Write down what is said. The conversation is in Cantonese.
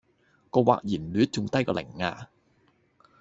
個或然率仲低過零呀.